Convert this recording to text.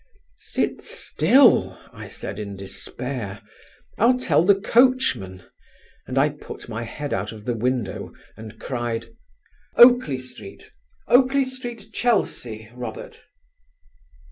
"Sit still," I said in despair, "I'll tell the coachman," and I put my head out of the window and cried: "Oakley Street, Oakley Street, Chelsea, Robert."